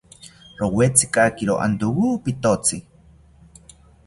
Rowetzikakiro antowo pitotzi